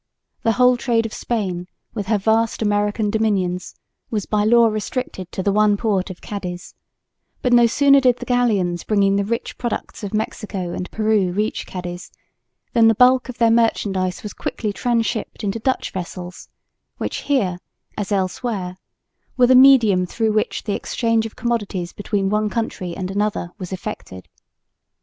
The whole trade of Spain with her vast American dominions was by law restricted to the one port of Cadiz; but no sooner did the galleons bringing the rich products of Mexico and Peru reach Cadiz than the bulk of their merchandise was quickly transhipped into Dutch vessels, which here, as elsewhere, were the medium through which the exchange of commodities between one country and another was effected.